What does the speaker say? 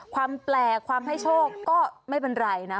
ความแปลกความให้โชคก็ไม่เป็นไรนะ